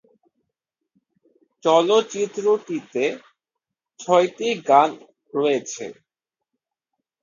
চলচ্চিত্রটিতে ছয়টি গান রয়েছে।